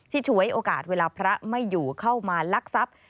ฉวยโอกาสเวลาพระไม่อยู่เข้ามาลักทรัพย์